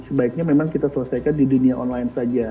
sebaiknya memang kita selesaikan di dunia online saja